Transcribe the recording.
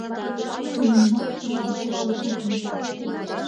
Нунымат прапыш лукташ ок лий.